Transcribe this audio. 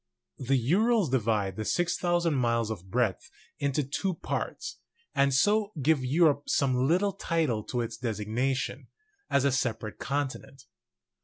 The Urals divide the 6,000 miles of breadth into two parts, and so give Europe some title to its designation as a separate continent.